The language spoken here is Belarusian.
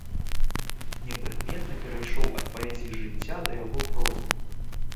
Непрыкметна перайшоў ад паэзіі жыцця да яго прозы.